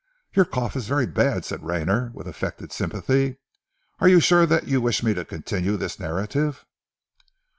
"Your cough is very bad, sir," said Rayner with affected sympathy. "Are you sure that you wish me to continue the narrative?"